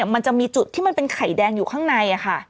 มันจะมีจุดที่มันเป็นไข่แดงอยู่ข้างในค่ะ